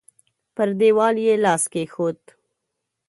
پر دېوال يې لاس کېښود.